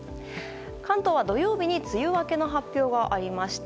関東は土曜日に梅雨明けの発表がありました。